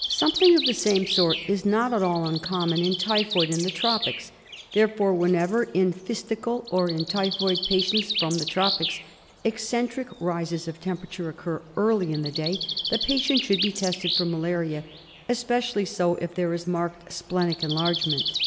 Something of the same sort is not at all uncommon in typhoid in the tropics. Therefore, whenever in phthisical or in typhoid patients from the tropics eccentric rises of tem perature occur early in the day the patient should be tested for malaria, especially so if there is marked splenic enlargement.